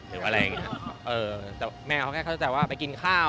แต่แม่เค้ารึกราบว่าไปกินข้าว